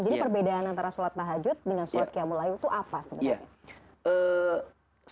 jadi perbedaan antara salat tahajud dengan salat qiyamul layl itu apa sebenarnya